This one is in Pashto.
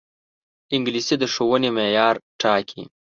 انګلیسي د ښوونې معیار ټاکي